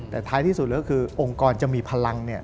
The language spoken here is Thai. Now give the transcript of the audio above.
แต่ท้ายที่สุดแล้วคือองค์กรจะมีพลัง